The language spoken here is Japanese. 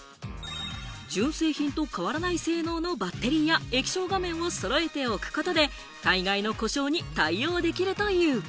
純正品と変わらない性能のバッテリーや液晶画面を揃えておくことで、たいがいの故障に対応できるという。